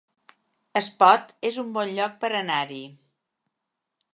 Espot es un bon lloc per anar-hi